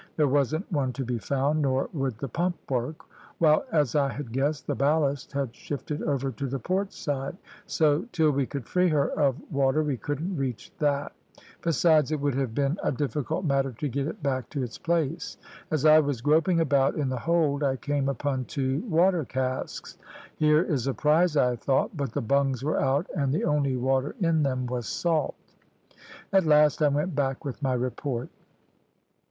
There wasn't one to be found, nor would the pump work, while, as I had guessed, the ballast had shifted over to the port side, so till we could free her of water we couldn't reach that; besides, it would have been a difficult matter to get it back to its place. As I was groping about in the hold I came upon two water casks. Here is a prize I thought, but the bungs were out, and the only water in them was salt. At last I went back with my report.